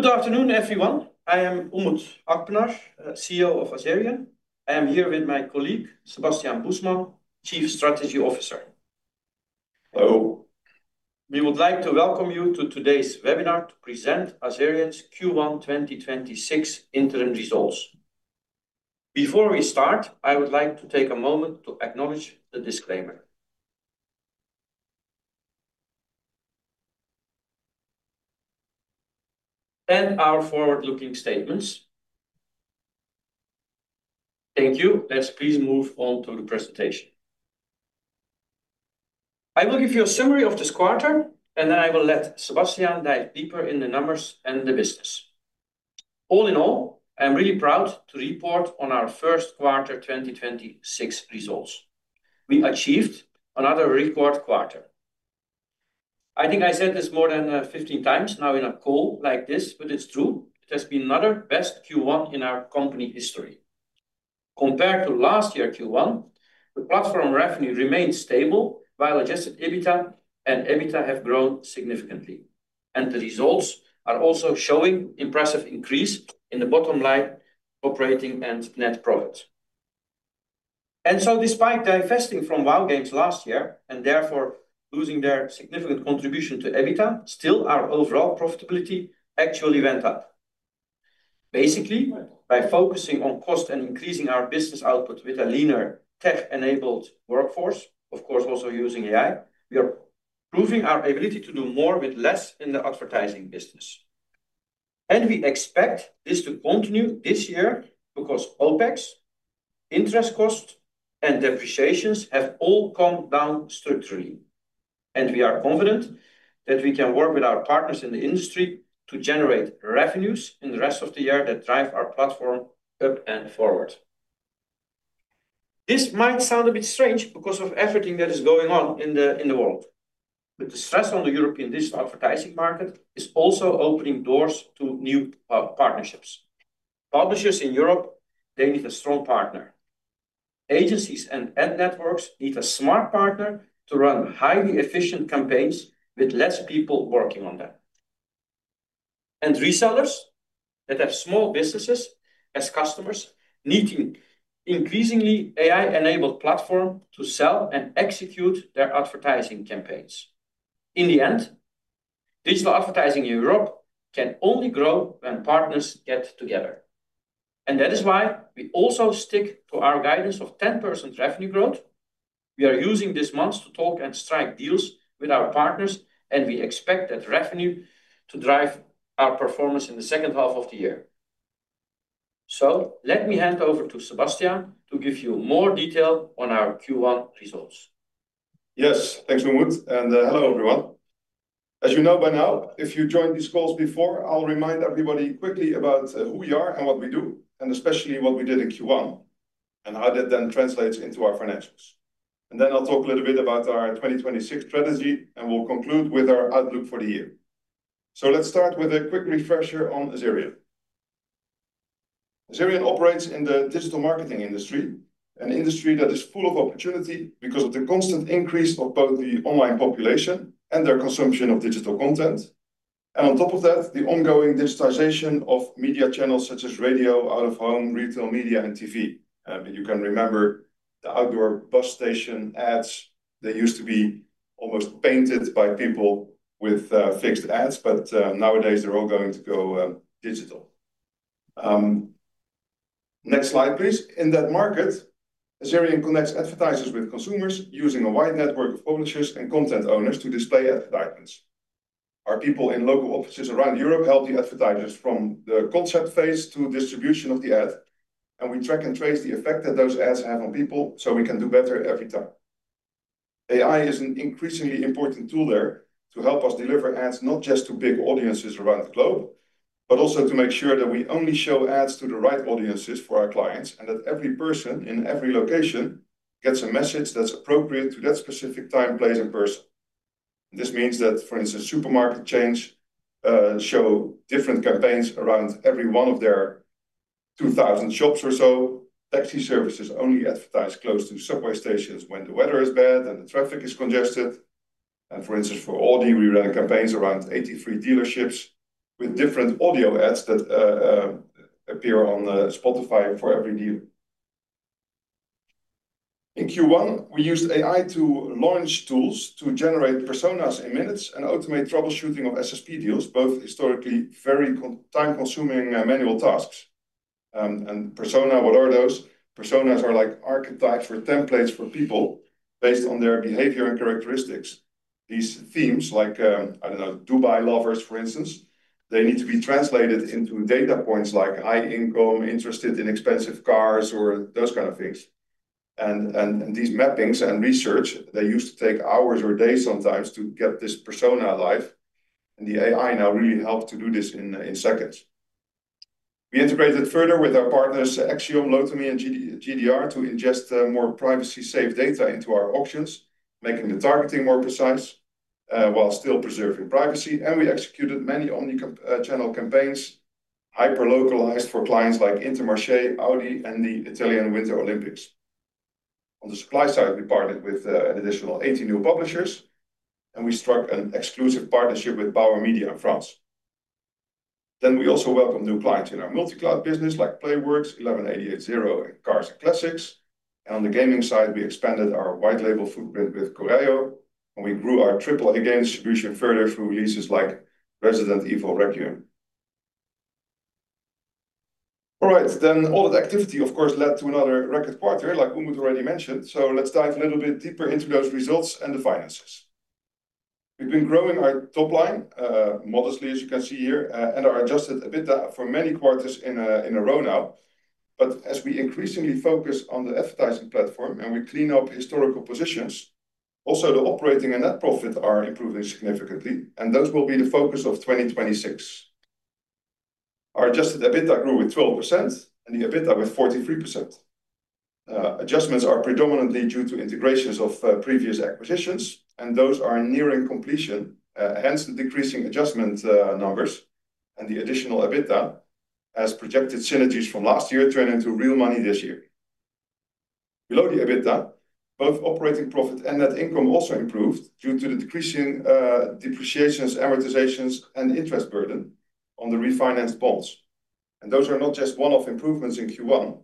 Good afternoon, everyone. I am Umut Akpinar, CEO of Azerion. I am here with my colleague, Sebastiaan Moesman, Chief Strategy Officer. Hello. We would like to welcome you to today's webinar to present Azerion's Q1 2026 interim results. Before we start, I would like to take a moment to acknowledge the disclaimer and our forward-looking statements. Thank you. Let's please move on to the presentation. I will give you a summary of this quarter, and then I will let Sebastiaan dive deeper in the numbers and the business. All in all, I'm really proud to report on our first quarter 2026 results. We achieved another record quarter. I think I said this more than 15 times now in a call like this, but it's true. It has been another best Q1 in our company history. Compared to last year Q1, the platform revenue remained stable, while Adjusted EBITDA and EBITDA have grown significantly, and the results are also showing impressive increase in the bottom line operating and net profit. Despite divesting from Whow Games last year, and therefore losing their significant contribution to EBITDA, still our overall profitability actually went up. Basically, by focusing on cost and increasing our business output with a leaner tech-enabled workforce, of course, also using AI, we are proving our ability to do more with less in the advertising business. We expect this to continue this year because OPEX, interest cost, and depreciations have all come down structurally, and we are confident that we can work with our partners in the industry to generate revenues in the rest of the year that drive our platform up and forward. This might sound a bit strange because of everything that is going on in the world. The stress on the European digital advertising market is also opening doors to new partnerships. Publishers in Europe, they need a strong partner. Agencies and ad networks need a smart partner to run highly efficient campaigns with less people working on them. Resellers that have small businesses as customers need increasingly AI-enabled platform to sell and execute their advertising campaigns. In the end, digital advertising in Europe can only grow when partners get together, and that is why we also stick to our guidance of 10% revenue growth. We are using these months to talk and strike deals with our partners, and we expect that revenue to drive our performance in the second half of the year. Let me hand over to Sebastiaan to give you more detail on our Q1 results. Yes. Thanks, Umut, hello, everyone. As you know by now, if you joined these calls before, I'll remind everybody quickly about who we are and what we do, especially what we did in Q1, and how that then translates into our financials. Then I'll talk a little bit about our 2026 strategy, we'll conclude with our outlook for the year. Let's start with a quick refresher on Azerion. Azerion operates in the digital marketing industry, an industry that is full of opportunity because of the constant increase of both the online population and their consumption of digital content. On top of that, the ongoing digitization of media channels such as radio, out of home, retail media, and TV. You can remember the outdoor bus station ads that used to be almost painted by people with fixed ads, but nowadays they're all going to go digital. Next slide, please. In that market, Azerion connects advertisers with consumers using a wide network of publishers and content owners to display advertisements. Our people in local offices around Europe help the advertisers from the concept phase to distribution of the ad, and we track and trace the effect that those ads have on people so we can do better every time. AI is an increasingly important tool there to help us deliver ads not just to big audiences around the globe, but also to make sure that we only show ads to the right audiences for our clients and that every person in every location gets a message that's appropriate to that specific time, place, and person. This means that, for instance, supermarket chains show different campaigns around every one of their 2,000 shops or so. Taxi services only advertise close to subway stations when the weather is bad and the traffic is congested. For instance, for Audi, we ran campaigns around 83 dealerships with different audio ads that appear on Spotify for every dealer. In Q1, we used AI to launch tools to generate personas in minutes and automate troubleshooting of SSP deals, both historically very time-consuming manual tasks. Persona, what are those? Personas are like archetypes or templates for people based on their behavior and characteristics. These themes like, I don't know, Dubai lovers, for instance, they need to be translated into data points like high income, interested in expensive cars, or those kind of things. These mappings and research, they used to take hours or days sometimes to get this persona live, and the AI now really helps to do this in seconds. We integrated further with our partners Acxiom, Lotame, and GDR to ingest more privacy-safe data into our auctions, making the targeting more precise, while still preserving privacy. We executed many omnichannel campaigns, hyper-localized for clients like Intermarché, Audi, and Milano Cortina 2026. On the supply side, we partnered with an additional 80 new publishers, and we struck an exclusive partnership with Bauer Media in France. We also welcome new clients in our multi-cloud business, like Play.Works, 11 88 0, and Car & Classic. On the gaming side, we expanded our white-label footprint with Corello, and we grew our AAA game distribution further through releases like Resident Evil Requiem. All right, all of the activity, of course, led to another record quarter, like Umut already mentioned. Let's dive a little bit deeper into those results and the finances. We've been growing our top line modestly, as you can see here, and our Adjusted EBITDA for many quarters in a row now. As we increasingly focus on the advertising platform and we clean up historical positions, also the operating and net profit are improving significantly, and those will be the focus of 2026. Our Adjusted EBITDA grew with 12%, and the EBITDA with 43%. Adjustments are predominantly due to integrations of previous acquisitions, and those are nearing completion, hence the decreasing adjustment numbers and the additional EBITDA as projected synergies from last year turn into real money this year. Below the EBITDA, both operating profit and net income also improved due to the decreasing depreciations, amortizations, and interest burden on the refinanced bonds. Those are not just one-off improvements in Q1.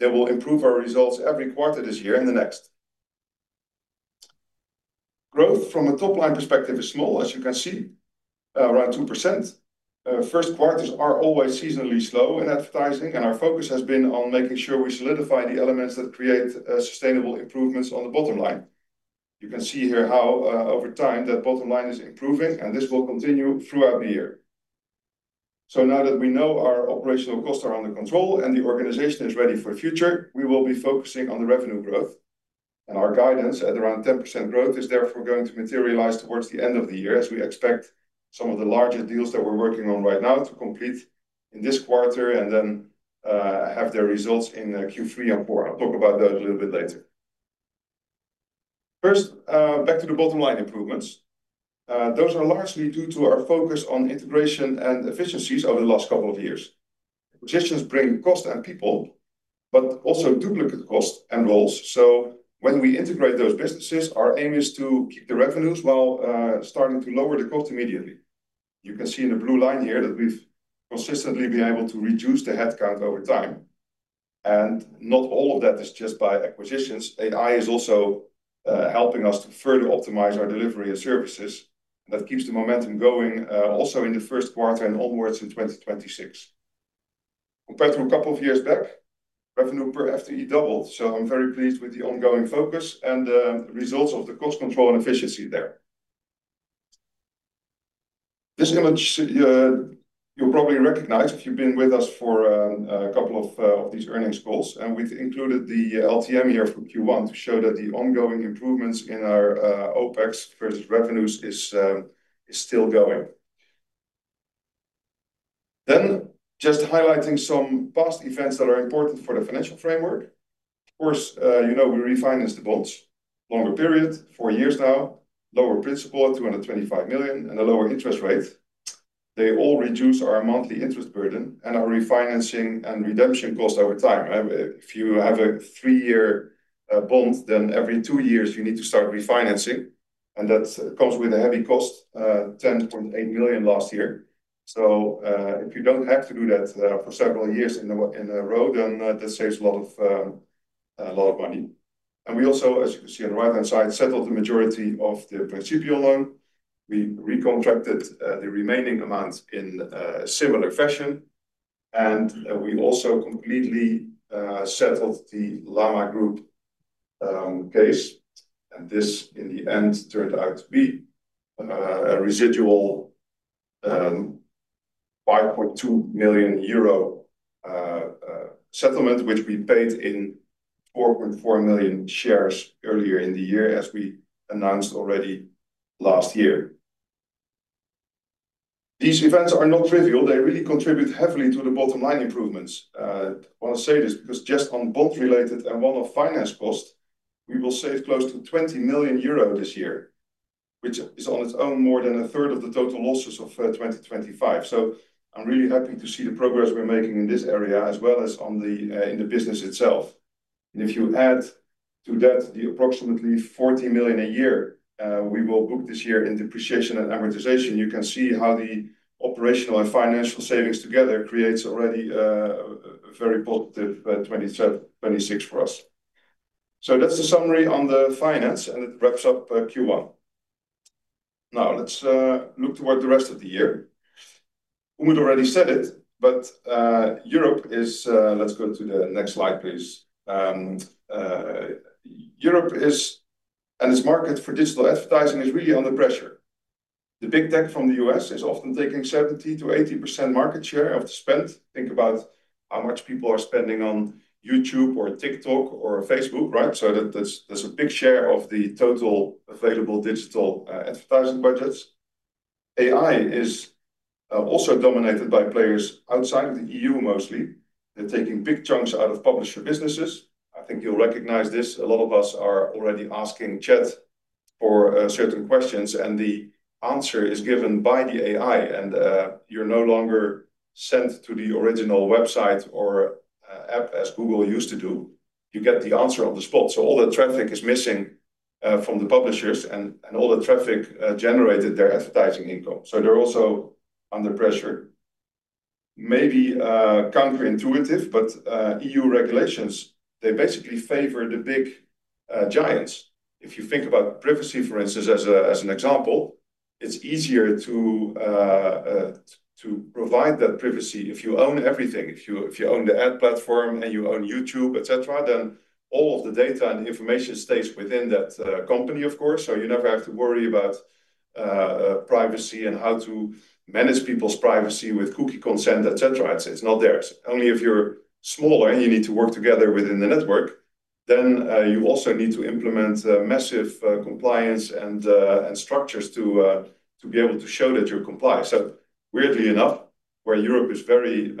They will improve our results every quarter this year and the next. Growth from a top-line perspective is small, as you can see, around 2%. First quarters are always seasonally slow in advertising. Our focus has been on making sure we solidify the elements that create sustainable improvements on the bottom line. You can see here how over time that bottom line is improving, and this will continue throughout the year. Now that we know our operational costs are under control and the organization is ready for the future, we will be focusing on the revenue growth. Our guidance at around 10% growth is therefore going to materialize towards the end of the year as we expect some of the larger deals that we're working on right now to complete in this quarter and then have their results in Q3 and Q4. I'll talk about those a little bit later. First, back to the bottom line improvements. Those are largely due to our focus on integration and efficiencies over the last couple of years. Acquisitions bring cost and people, but also duplicate cost and roles. When we integrate those businesses, our aim is to keep the revenues while starting to lower the cost immediately. You can see in the blue line here that we've consistently been able to reduce the headcount over time, and not all of that is just by acquisitions. AI is also helping us to further optimize our delivery of services. That keeps the momentum going, also in the first quarter and onwards in 2026. Compared to a couple of years back, revenue per FTE doubled. I'm very pleased with the ongoing focus and the results of the cost control and efficiency there. This image, you'll probably recognize if you've been with us for a couple of these earnings calls. We've included the LTM year for Q1 to show that the ongoing improvements in our OPEX versus revenues is still going. Just highlighting some past events that are important for the financial framework. Of course, you know we refinanced the bonds. Longer period, four years now, lower principal at 225 million, and a lower interest rate. They all reduce our monthly interest burden and our refinancing and redemption cost over time. If you have a three-year bond, then every two years, you need to start refinancing, and that comes with a heavy cost, 10.8 million last year. If you don't have to do that for several years in a row, then that saves a lot of money. We also, as you can see on the right-hand side, settled the majority of the Principion loan. We recontracted the remaining amount in a similar fashion, and we also completely settled the Lama Group case, and this, in the end, turned out to be a residual 4.2 million euro settlement, which we paid in 4.4 million shares earlier in the year, as we announced already last year. These events are not trivial. They really contribute heavily to the bottom line improvements. I want to say this because just on bond related and one-off finance cost, we will save close to 20 million euro this year, which is on its own more than a third of the total losses of 2025. I'm really happy to see the progress we're making in this area as well as in the business itself. If you add to that the approximately 40 million a year we will book this year in depreciation and amortization, you can see how the operational and financial savings together creates already a very positive 2026 for us. That's the summary on the finance, and it wraps up Q1. Now, let's look toward the rest of the year. Umut already said it. Let's go to the next slide, please. Europe is, and its market for digital advertising is really under pressure. The big tech from the U.S. is often taking 70%-80% market share of the spend. Think about how much people are spending on YouTube or TikTok or Facebook, right? That's a big share of the total available digital advertising budgets. AI is also dominated by players outside the EU mostly. They're taking big chunks out of publisher businesses. I think you'll recognize this. A lot of us are already asking chat for certain questions, and the answer is given by the AI, and you're no longer sent to the original website or app as Google used to do. You get the answer on the spot. All the traffic is missing from the publishers and all the traffic generated their advertising income. They're also under pressure. Maybe counterintuitive, but EU regulations, they basically favor the big giants. If you think about privacy, for instance, as an example, it's easier to provide that privacy if you own everything. If you own the ad platform and you own YouTube, et cetera, then all of the data and information stays within that company, of course, so you never have to worry about privacy and how to manage people's privacy with cookie consent, et cetera. It's not theirs. Only if you're smaller and you need to work together within the network, you also need to implement massive compliance and structures to be able to show that you're compliant. Weirdly enough, where Europe is very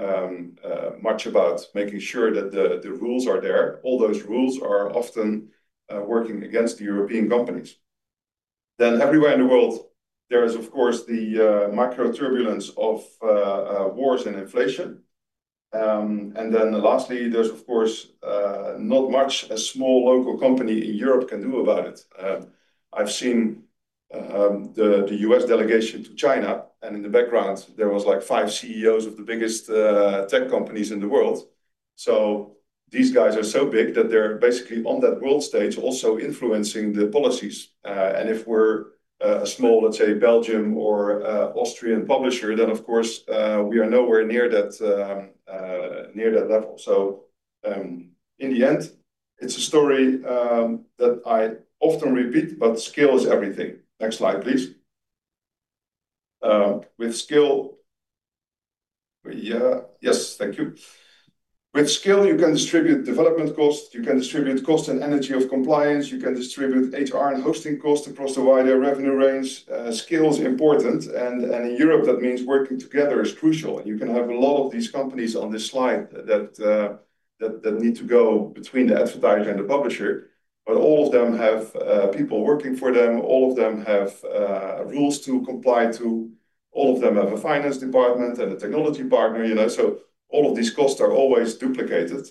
much about making sure that the rules are there, all those rules are often working against the European companies. Everywhere in the world, there is, of course, the macro turbulence of wars and inflation. Then lastly, there's, of course, not much a small local company in Europe can do about it. I've seen the U.S. delegation to China, and in the background there was like five CEOs of the biggest tech companies in the world. These guys are so big that they're basically on that world stage also influencing the policies. If we're a small, let's say, Belgium or Austrian publisher, then of course, we are nowhere near that level. In the end, it's a story that I often repeat, but scale is everything. Next slide, please. Yes, thank you. With scale, you can distribute development costs, you can distribute cost and energy of compliance, you can distribute HR and hosting costs across a wider revenue range. Scale is important, and in Europe, that means working together is crucial. You can have a lot of these companies on this slide that need to go between the advertiser and the publisher, but all of them have people working for them, all of them have rules to comply to, all of them have a finance department and a technology partner. All of these costs are always duplicated.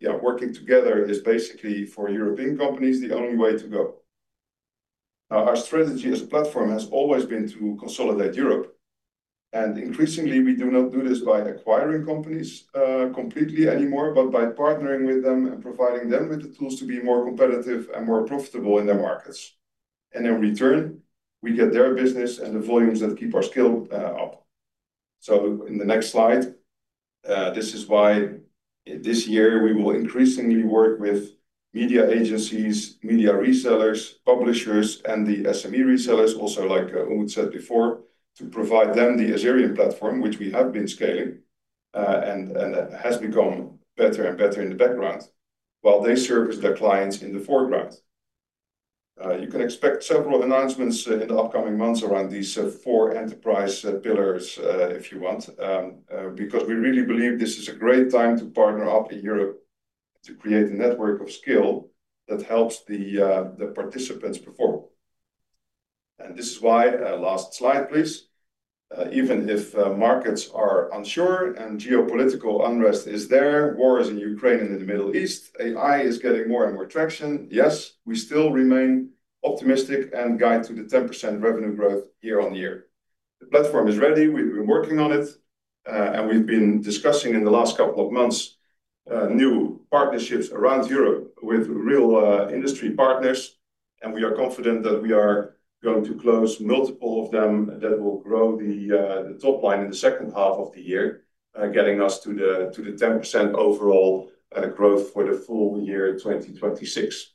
Yeah, working together is basically, for European companies, the only way to go. Our strategy as a platform has always been to consolidate Europe. Increasingly, we do not do this by acquiring companies completely anymore, but by partnering with them and providing them with the tools to be more competitive and more profitable in their markets. In return, we get their business and the volumes that keep our scale up. In the next slide, this is why this year we will increasingly work with media agencies, media resellers, publishers, and the SME resellers also, like Umut said before, to provide them the Azerion platform, which we have been scaling and has become better and better in the background while they service their clients in the foreground. You can expect several announcements in the upcoming months around these four enterprise pillars if you want, because we really believe this is a great time to partner up in Europe to create a network of scale that helps the participants perform. This is why, last slide, please. Even if markets are unsure and geopolitical unrest is there, wars in Ukraine and in the Middle East, AI is getting more and more traction. Yes, we still remain optimistic and guide to the 10% revenue growth year-on-year. The platform is ready. We've been working on it, and we've been discussing in the last couple of months, new partnerships around Europe with real industry partners, and we are confident that we are going to close multiple of them that will grow the top line in the second half of the year, getting us to the 10% overall growth for the full year 2026.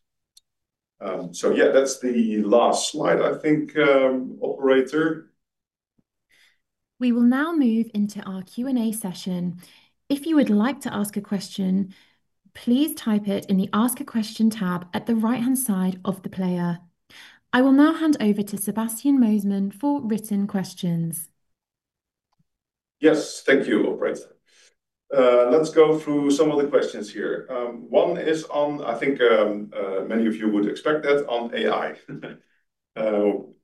Yeah, that's the last slide, I think, operator. We will now move into our Q&A session. If you would like to ask a question, please type it in the Ask a Question tab at the right-hand side of the player. I will now hand over to Sebastiaan Moesman for written questions. Yes. Thank you, operator. Let's go through some of the questions here. One is on, I think many of you would expect that, on AI.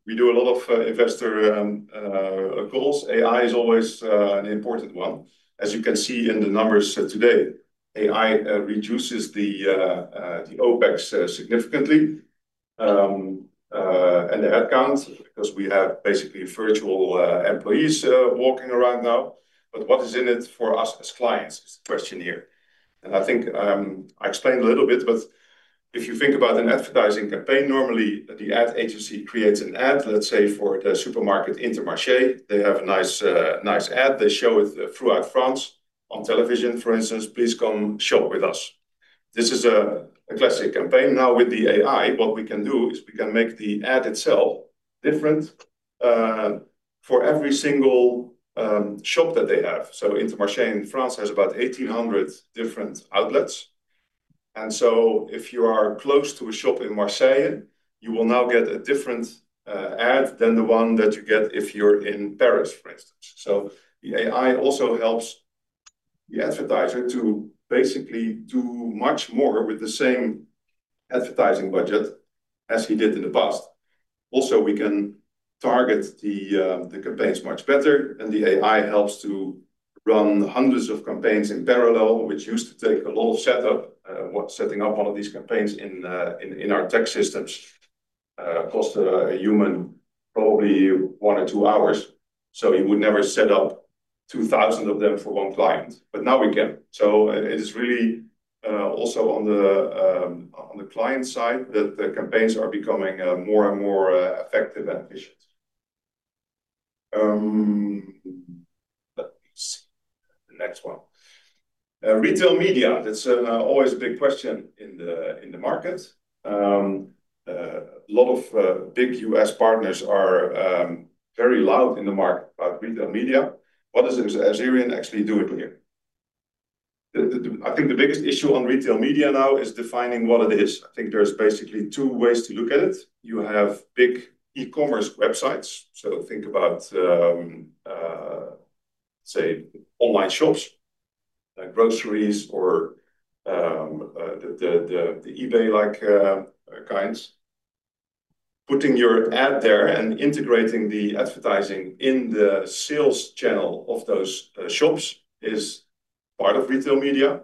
We do a lot of investor calls. AI is always an important one. As you can see in the numbers today, AI reduces the OPEX significantly and the ad count because we have basically virtual employees walking around now. What is in it for us as clients is the question here. I think I explained a little bit, but if you think about an advertising campaign, normally the ad agency creates an ad, let's say for the supermarket Intermarché, they have a nice ad. They show it throughout France on television. For instance, "Please come shop with us." This is a classic campaign. Now, with the AI, what we can do is we can make the ad itself different for every single shop that they have. Intermarché in France has about 1,800 different outlets. If you are close to a shop in Marseille, you will now get a different ad than the one that you get if you're in Paris, for instance. The AI also helps the advertiser to basically do much more with the same advertising budget as he did in the past. Also, we can target the campaigns much better. The AI helps to run hundreds of campaigns in parallel, which used to take a lot of setup. What setting up all of these campaigns in our tech systems cost a human probably one or two hours. He would never set up 2,000 of them for one client, but now we can. it is really also on the client side that the campaigns are becoming more and more effective and efficient. Let me see the next one. Retail media, that's always a big question in the market. A lot of big U.S. partners are very loud in the market about retail media. What is Azerion actually doing here? I think the biggest issue on retail media now is defining what it is. I think there's basically two ways to look at it. You have big e-commerce websites. think about, say, online shops, groceries or the eBay-like kinds. Putting your ad there and integrating the advertising in the sales channel of those shops is part of retail media.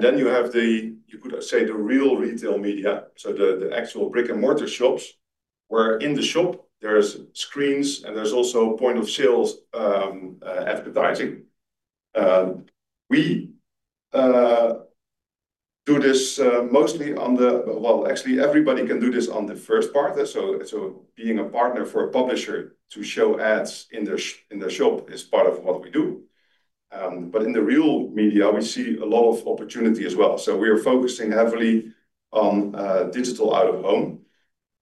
then you have, you could say, the real retail media, so the actual brick-and-mortar shops, where in the shop there's screens and there's also point-of-sale advertising. We do this mostly. Well, actually, everybody can do this on the first part. Being a partner for a publisher to show ads in their shop is part of what we do. In the retail media, we see a lot of opportunity as well. We are focusing heavily on digital out of home,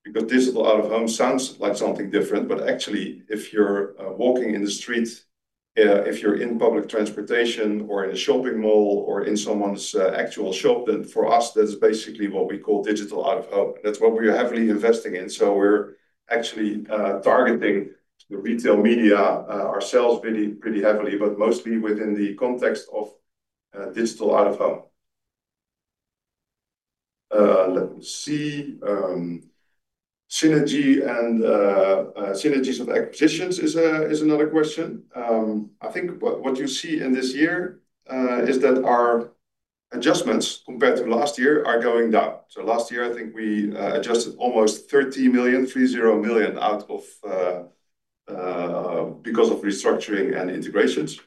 because digital out of home sounds like something different, but actually, if you're walking in the street, if you're in public transportation or in a shopping mall or in someone's actual shop, then for us, that's basically what we call digital out of home. That's what we are heavily investing in. We're actually targeting the retail media ourselves pretty heavily, but mostly within the context of digital out of home. Let me see. Synergy and synergies of acquisitions is another question. I think what you see in this year is that our adjustments compared to last year are going down. Last year, I think we adjusted almost 30 million because of restructuring and integrations.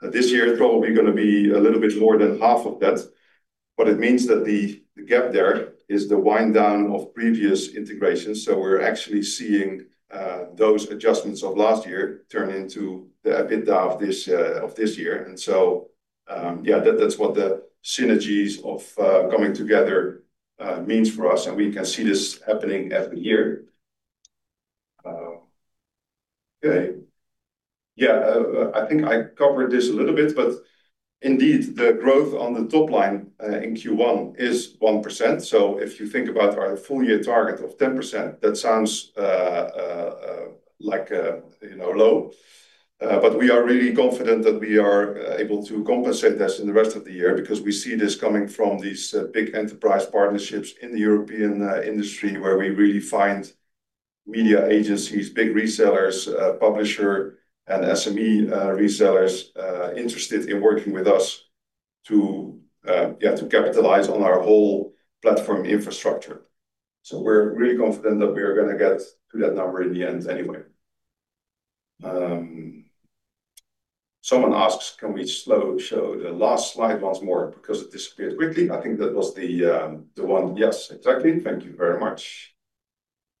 This year is probably going to be a little bit more than half of that, but it means that the gap there is the wind down of previous integrations. We're actually seeing those adjustments of last year turn into the EBITDA of this year. Yeah, that's what the synergies of coming together means for us, and we can see this happening every year. Okay. Yeah, I think I covered this a little bit. Indeed, the growth on the top line in Q1 is 1%. If you think about our full year target of 10%, that sounds low. We are really confident that we are able to compensate this in the rest of the year because we see this coming from these big enterprise partnerships in the European industry, where we really find media agencies, big resellers, publisher, and SME resellers interested in working with us to capitalize on our whole platform infrastructure. We're really confident that we are going to get to that number in the end anyway. Someone asks, "Can we show the last slide once more because it disappeared quickly?" I think that was the one. Yes, exactly. Thank you very much.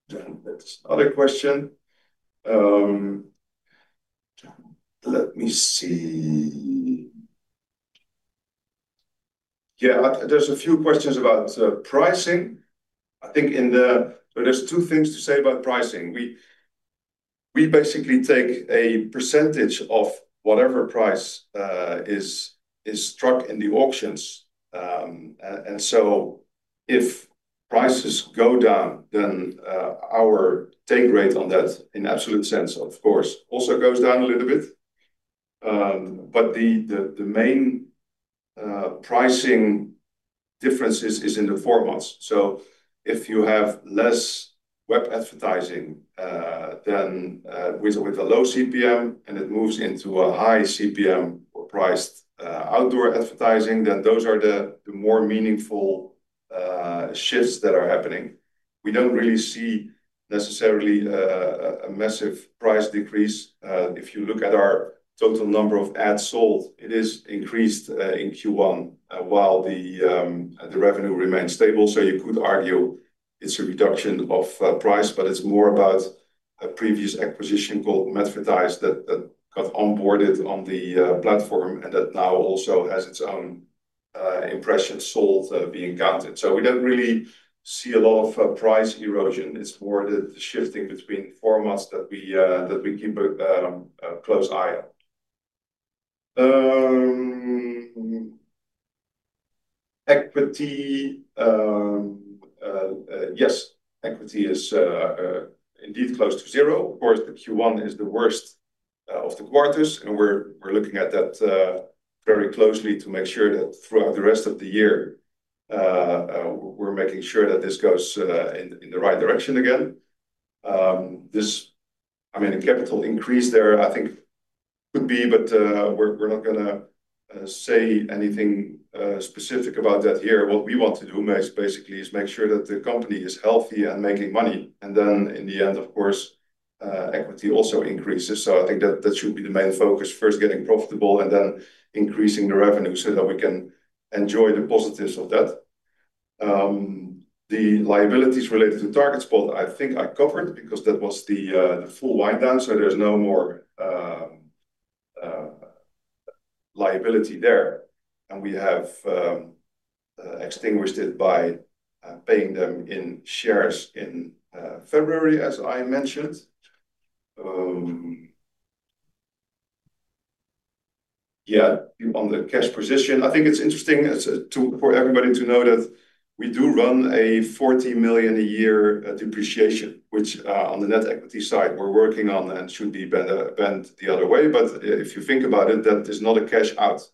There's other question. Let me see. There's a few questions about pricing. There's two things to say about pricing. We basically take a % of whatever price is struck in the auctions. If prices go down, our take rate on that, in absolute sense, of course, also goes down a little bit. The main pricing differences is in the formats. If you have less web advertising, with a low CPM and it moves into a high CPM or priced outdoor advertising, those are the more meaningful shifts that are happening. We don't really see necessarily a massive price decrease. If you look at our total number of ads sold, it is increased in Q1 while the revenue remains stable. You could argue it's a reduction of price, but it's more about a previous acquisition called Madvertise that got onboarded on the platform and that now also has its own impressions sold being counted. We don't really see a lot of price erosion. It's more the shifting between formats that we keep a close eye on. Equity, yes. Equity is indeed close to zero. Of course, the Q1 is the worst of the quarters, and we're looking at that very closely to make sure that throughout the rest of the year, we're making sure that this goes in the right direction again. The capital increase there, I think could be, but we're not going to say anything specific about that here. What we want to do basically is make sure that the company is healthy and making money, and then in the end, of course, equity also increases. I think that should be the main focus. First, getting profitable and then increasing the revenue so that we can enjoy the positives of that. The liabilities related to Targetspot, I think I covered because that was the full wind down, so there's no more liability there, and we have extinguished it by paying them in shares in February, as I mentioned. Yeah, on the cash position, I think it's interesting for everybody to know that we do run a 40 million a year depreciation, which, on the net equity side, we're working on and should be bent the other way. If you think about it, that is not a cash out.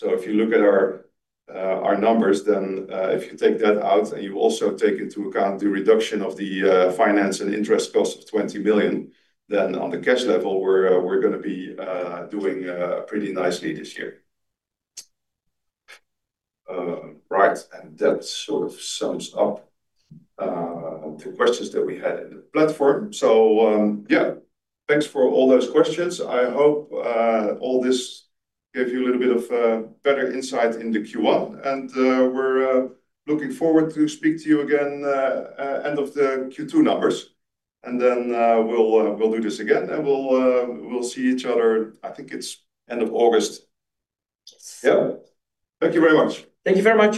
If you look at our numbers, then if you take that out and you also take into account the reduction of the finance and interest cost of 20 million, then on the cash level, we're going to be doing pretty nicely this year. Right. That sort of sums up the questions that we had in the platform. Yeah, thanks for all those questions. I hope all this gave you a little bit of better insight into Q1, and we're looking forward to speak to you again end of the Q2 numbers, and then we'll do this again, and we'll see each other, I think it's end of August. Yes. Yeah. Thank you very much. Thank you very much